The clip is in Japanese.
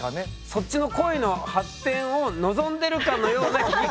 そっちの恋の発展を望んでるかのような聞き方。